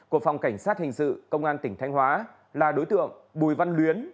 của phòng cảnh sát hình sự công an tỉnh thanh hóa là đối tượng bùi văn luyến